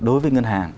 đối với ngân hàng